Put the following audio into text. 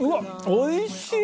おいしい！